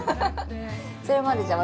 それまでじゃあ